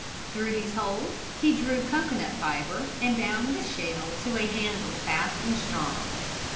Through these holes he drew cocoanut fibre and bound the shell to a handle fast and strong.